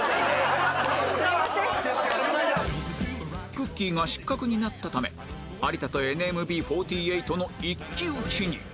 くっきー！が失格になったため有田と ＮＭＢ４８ の一騎打ちに